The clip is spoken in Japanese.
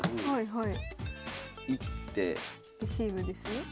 はい。